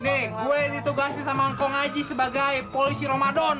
nih gue ditugasi sama ngkong aji sebagai polisi ramadan